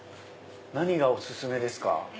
何がお薦めですか？